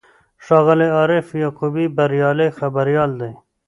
ښاغلی عارف یعقوبي بریالی خبریال دی.